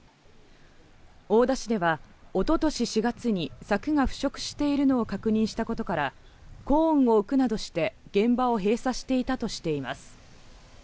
大田市では一昨年４月に柵が腐食しているのを確認したことから、コーンを置くなどして現場を閉鎖していたとしています。